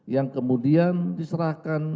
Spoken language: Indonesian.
yang kemudian diserahkan